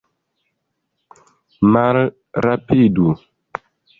Malrapidu!